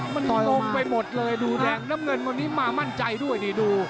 มันตรงไปหมดเลยดูแดงน้ำเงินวันนี้มามั่นใจด้วยนี่ดู